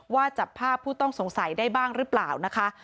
จับภาพผู้ต้องสงสัยได้บ้างหรือเปล่านะคะ